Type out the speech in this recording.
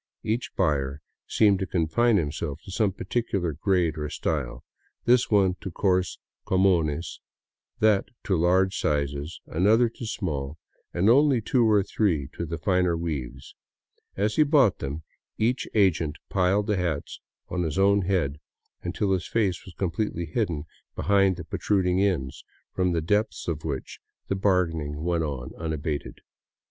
Each buyer seemed to confine himself to some particular grade or style ; this one to coarse " comunes," that to large sizes, an other to small, and only two or three to the finer weaves. As he bought them, each agent piled the hats on his own head until his face was completely hidden behind the protruding ends, from the depths of which the bargaining went on unabated.